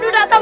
untuk pak d